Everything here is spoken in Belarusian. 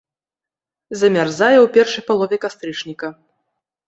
Замярзае ў першай палове кастрычніка.